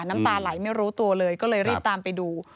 น้ำตาไหลไม่รู้ตัวเลยก็เลยรีบตามไปดู